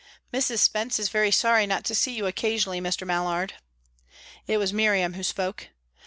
"Mrs. Spence is very sorry not to see you occasionally, Mr. Mallard." It was Miriam who spoke.